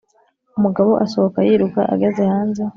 umugabo asohoka yiruka ageze hanze